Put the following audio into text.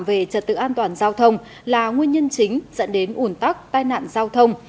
về trật tự an toàn giao thông là nguyên nhân chính dẫn đến ủn tắc tai nạn giao thông